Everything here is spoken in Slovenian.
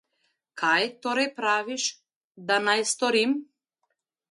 Kaj torej praviš, da naj storim?